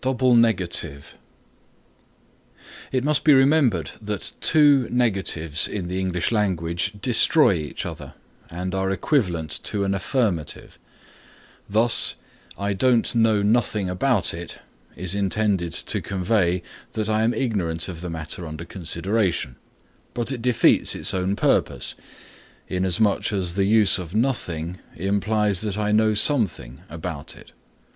DOUBLE NEGATIVE It must be remembered that two negatives in the English language destroy each other and are equivalent to an affirmative. Thus "I don't know nothing about it" is intended to convey, that I am ignorant of the matter under consideration, but it defeats its own purpose, inasmuch as the use of nothing implies that I know something about it.